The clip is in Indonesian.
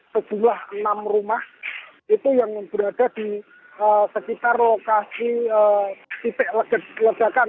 sejumlah enam rumah itu yang berada di sekitar lokasi titik ledakan